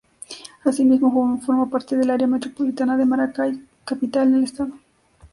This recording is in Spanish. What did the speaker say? Asimismo forma parte del área metropolitana de Maracay, capital del estado.